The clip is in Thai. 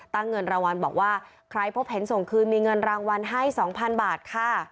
เงินรางวัลบอกว่าใครพบเห็นส่งคืนมีเงินรางวัลให้๒๐๐๐บาทค่ะ